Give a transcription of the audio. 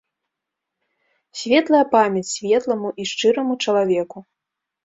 Светлая памяць светламу і шчыраму чалавеку.